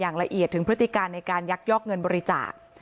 อย่างละเอียดถึงพฤติการในการยักยอกเงินบริจาค